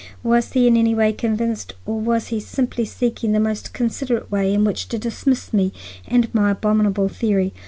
Was he in any way convinced or was he simply seeking for the most considerate way in which to dismiss me and my abominable theory?